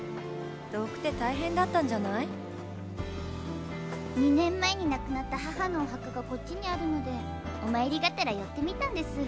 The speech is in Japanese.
遠くて大変だったんじゃない？２年前に亡くなった母のお墓がこっちにあるのでお参りがてら寄ってみたんです。